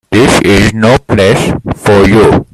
This is no place for you.